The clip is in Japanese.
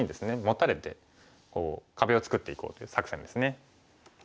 モタれてこう壁を作っていこうという作戦です。